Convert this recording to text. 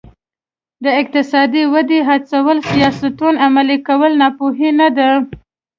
د اقتصادي ودې هڅولو سیاستونه عملي کول ناپوهي نه ده.